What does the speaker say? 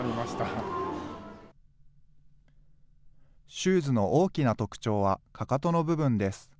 シューズの大きな特徴は、かかとの部分です。